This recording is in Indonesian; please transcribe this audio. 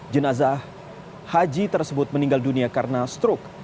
jenazah haji tersebut meninggal dunia karena strok